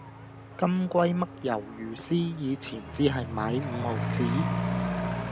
金龜嘜魷魚絲以前只係買五毫子